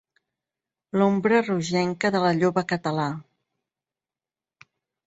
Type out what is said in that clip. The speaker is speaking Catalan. L'ombra rogenca de la lloba Català.